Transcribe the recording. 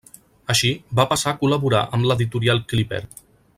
Així, va passar a col·laborar amb l'Editorial Clíper.